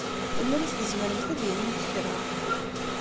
Tellamt tzemremt ad d-tinimt kra.